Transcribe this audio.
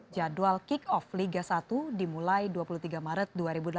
jadwal kick off liga satu dimulai dua puluh tiga maret dua ribu delapan belas